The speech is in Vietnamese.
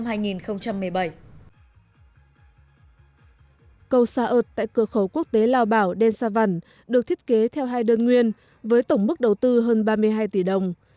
cầu xa ợt tại cửa khẩu quốc tế lao bảo đen sa văn được thiết kế theo hai đơn nguyên với tổng mức đầu tư hơn ba mươi hai tỷ đồng